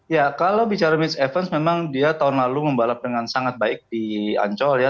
ya kalau bicara mitch evans memang dia tahun lalu membalap dengan sangat baik di ancol ya